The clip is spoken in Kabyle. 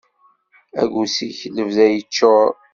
Aggus-ik lebda yeččur.